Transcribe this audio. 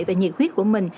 và nhiệt huyết của mình